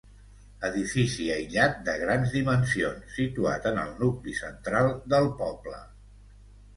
Edifici aïllat de grans dimensions, situat en el nucli central del poble.